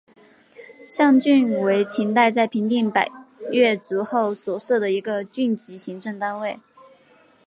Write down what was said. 象郡为秦代在平定百越族后所设的一个郡级行政单位。